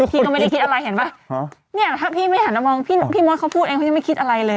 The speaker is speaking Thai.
พี่ก็ไม่ได้คิดอะไรเห็นป่ะเนี่ยถ้าพี่ไม่หันมามองพี่มดเขาพูดเองเขายังไม่คิดอะไรเลย